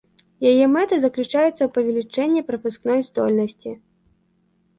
Яе мэта заключаецца ў павелічэнні прапускной здольнасці.